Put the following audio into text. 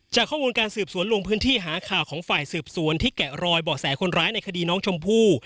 ข้อมูลการสืบสวนลงพื้นที่หาข่าวของฝ่ายสืบสวนที่แกะรอยเบาะแสคนร้ายในคดีน้องชมพู่